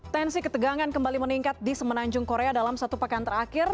tensi ketegangan kembali meningkat di semenanjung korea dalam satu pekan terakhir